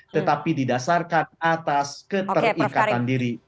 tetapi didasarkan atas keterikatan diri